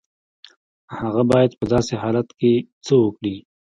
هغه بايد په داسې حالت کې څه وکړي؟